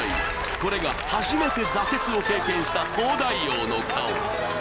これが初めて挫折を経験した東大王の顔